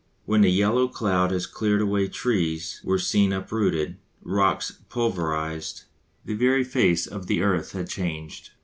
When the yellow cloud had cleared away trees were seen uprooted, rocks pulverised, the very face of the earth had changed.